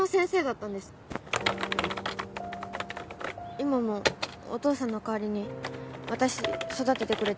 今もお父さんの代わりに私育ててくれてて。